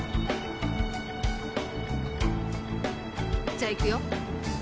じゃあいくよ。